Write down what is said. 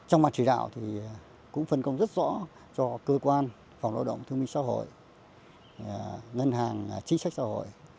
trong bàn chỉ đạo thì cũng phân công rất rõ cho cơ quan phòng lao động thương minh xã hội ngân hàng chính sách xã hội